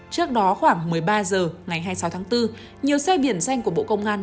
trước đó khoảng một mươi ba h ngày hai mươi sáu tháng bốn nhiều xe biển danh của bộ công an